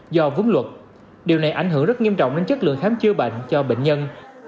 do vướng luật điều này ảnh hưởng rất nghiêm trọng đến chất lượng khám chữa bệnh cho bệnh nhân